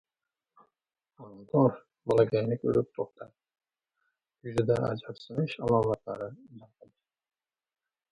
Amaldor bolakayni ko‘rib, to‘xtadi: yuzida ajabsinish alomati balqidi